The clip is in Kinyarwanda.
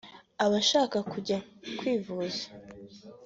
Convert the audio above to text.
abashaka kujya kwivuza